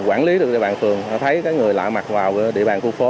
quản lý được địa bàn phường thấy cái người lại mặt vào địa bàn khu phố